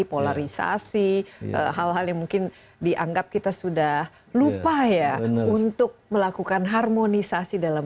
polarisasi hal hal yang mungkin dianggap kita sudah lupa ya untuk melakukan harmonisasi dalam